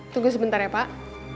tunggu sebentar ya pak